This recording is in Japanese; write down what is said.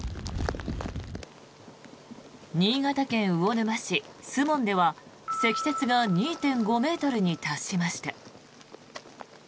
新潟県魚沼市守門では積雪が２．５ｍに達しました。